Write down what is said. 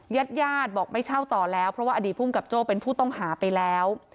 ญาติญาติบอกไม่เช่าต่อแล้วเพราะว่าอดีตภูมิกับโจ้เป็นผู้ต้องหาไปแล้ว